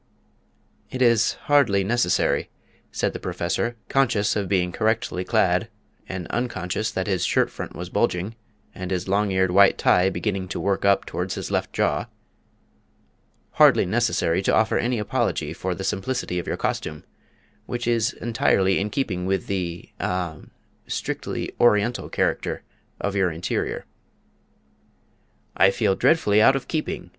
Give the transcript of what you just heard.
"It is hardly necessary," said the Professor, conscious of being correctly clad, and unconscious that his shirt front was bulging and his long eared white tie beginning to work up towards his left jaw "hardly necessary to offer any apology for the simplicity of your costume which is entirely in keeping with the ah strictly Oriental character of your interior." "I feel dreadfully out of keeping!"